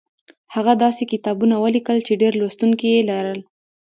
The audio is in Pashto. هغه داسې کتابونه ولیکل چې ډېر لوستونکي یې لرل